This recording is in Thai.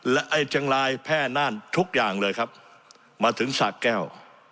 และไอ้เชียงรายแพร่น่านทุกอย่างเลยครับมาถึงสะแก้ว